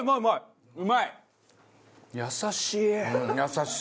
優しい。